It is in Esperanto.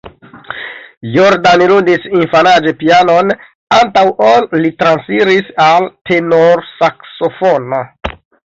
Jordan ludis infanaĝe pianon, antaŭ ol li transiris al tenorsaksofono.